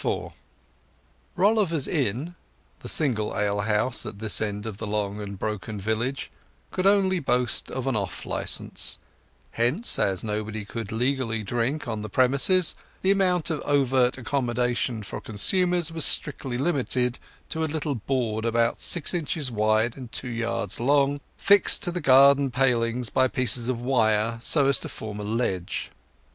IV Rolliver's inn, the single alehouse at this end of the long and broken village, could only boast of an off licence; hence, as nobody could legally drink on the premises, the amount of overt accommodation for consumers was strictly limited to a little board about six inches wide and two yards long, fixed to the garden palings by pieces of wire, so as to form a ledge.